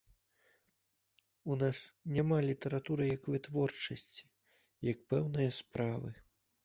У нас няма літаратуры як вытворчасці, як пэўнае справы.